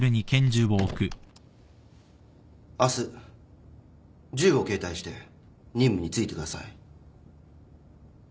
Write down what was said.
明日銃を携帯して任務に就いてください。